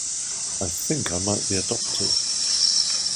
I think I might be adopted.